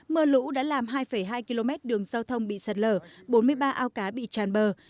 mưa lũ đã làm hai hai km đường giao thông bị sạt lở bốn mươi ba ao cá bị tràn bờ